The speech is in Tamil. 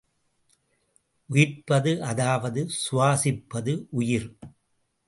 உயிர்ப்பது அதாவது சுவாசிப்பது உயிர்.